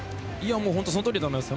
本当、そのとおりだと思います。